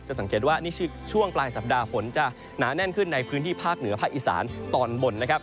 สังเกตว่านี่คือช่วงปลายสัปดาห์ฝนจะหนาแน่นขึ้นในพื้นที่ภาคเหนือภาคอีสานตอนบนนะครับ